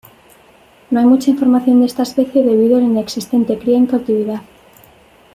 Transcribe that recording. No hay mucha información de esta especie, debido a la inexistente cría en cautividad.